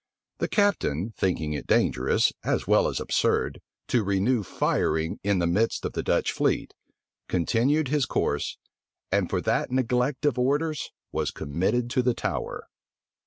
The captain, thinking it dangerous, as well as absurd, to renew firing in the midst of the Dutch fleet, continued his course; and for that neglect of orders was committed to the Tower.